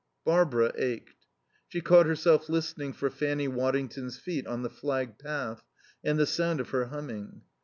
Barbara ached. She caught herself listening for Fanny Waddington's feet on the flagged path and the sound of her humming.